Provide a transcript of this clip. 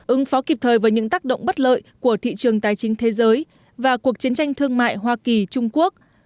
ứng phó kịp thời với những tác động bất lợi của thị trường tài chính thế giới và cuộc chiến tranh thương mại hoa kỳ trung quốc